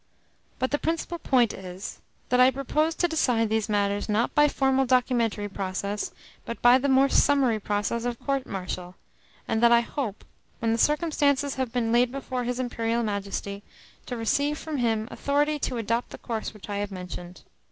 But the principal point is, that I propose to decide these matters, not by formal documentary process, but by the more summary process of court martial, and that I hope, when the circumstances have been laid before his Imperial Majesty, to receive from him authority to adopt the course which I have mentioned.